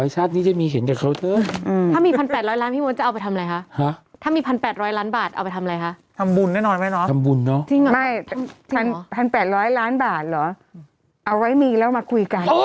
เอาไว้มีแล้วมาคุยกัน